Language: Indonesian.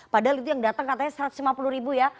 padahal itu yang datang katanya satu ratus lima puluh ribu ya